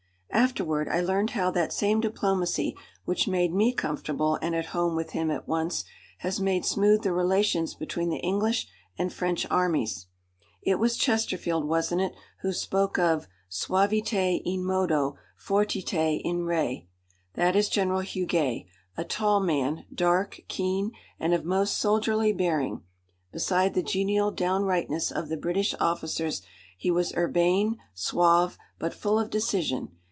Afterward I learned how that same diplomacy which made me comfortable and at home with him at once has made smooth the relations between the English and French Armies. It was Chesterfield, wasn't it, who spoke of "Suaviter in modo, fortiter in re"? That is General Huguet. A tall man, dark, keen and of most soldierly bearing; beside the genial downrightness of the British officers he was urbane, suave, but full of decision.